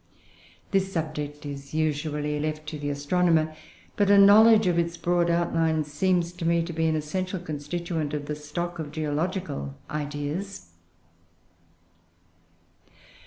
This subject is usually left to the astronomer; but a knowledge of its broad outlines seems to me to be an essential constituent of the stock of geological ideas.